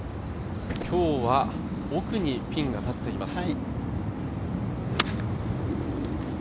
今日は、奥にピンが立っています。